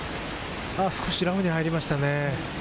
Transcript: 少しラフに入りましたね。